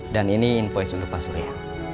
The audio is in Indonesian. dan ini invoice untuk pak surya